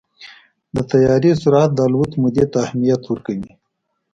د طیارې سرعت د الوت مودې ته اهمیت ورکوي.